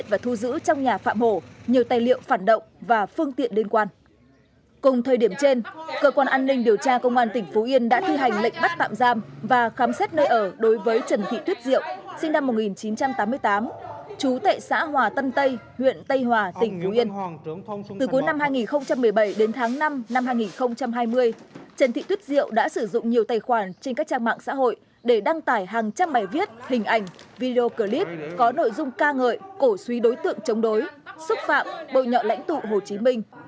từ cuối năm hai nghìn một mươi bảy đến tháng năm năm hai nghìn hai mươi trần thị tuyết diệu đã sử dụng nhiều tài khoản trên các trang mạng xã hội để đăng tải hàng trăm bài viết hình ảnh video clip có nội dung ca ngợi cổ suy đối tượng chống đối xúc phạm bội nhọ lãnh tụ hồ chí minh